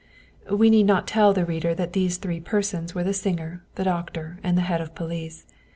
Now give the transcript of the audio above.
We need not tell the reader that these three persons were the singer, the doctor, and the head of police.